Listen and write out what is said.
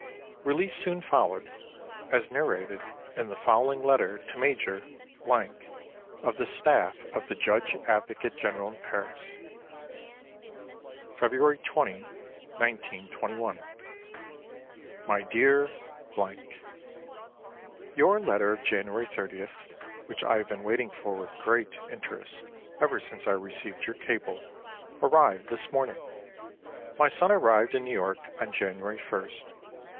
Release soon followed, as narrated in the following letter to Major —— of the staff of the Judge Advocate General in Paris. February 20, 1921. My dear —— Your letter of January 30th, which I have been waiting for with great interest ever since I received your cable, arrived this morning. My son arrived in New York on January 1st.